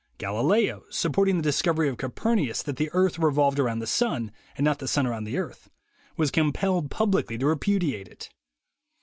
Galileo, sup porting the discovery of Copernicus that the earth revolved around the sun, and not the sun around the earth, was compelled publicly to repudiate it.